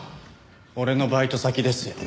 俺のバイト先ですよ。